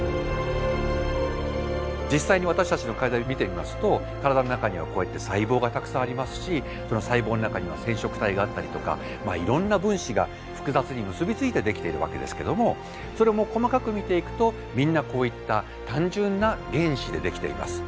実際に私たちの体を見てみますと体の中にはこうやって細胞がたくさんありますしその細胞の中には染色体があったりとかいろんな分子が複雑に結び付いてできているわけですけどもそれも細かく見ていくとみんなこういった単純な原子でできています。